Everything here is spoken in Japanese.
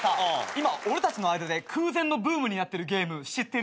今俺たちの間で空前のブームになってるゲーム知ってる？